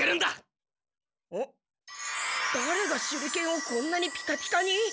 だれが手裏剣をこんなにピカピカに？